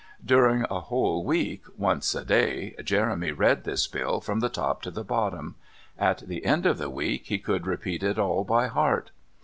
During a whole week, once a day, Jeremy read this bill from the top to the bottom; at the end of the week he could repeat it all by heart.